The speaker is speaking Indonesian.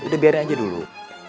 itu biar aja dulu